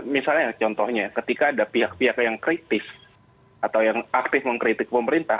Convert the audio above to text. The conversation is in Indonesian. misalnya contohnya ketika ada pihak pihak yang kritis atau yang aktif mengkritik pemerintah